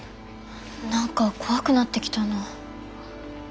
何か怖くなってきたな。